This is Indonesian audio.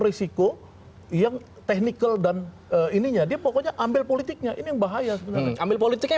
risiko yang teknikal dan ininya dia pokoknya ambil politiknya ini bahaya ambil politiknya